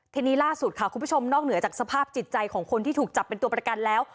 ทีนี้ล่าสุดค่ะคุณผู้ชมนอกเหนือจากสภาพจิตใจของคนที่ถูกจับเป็นตัวประกันแล้ว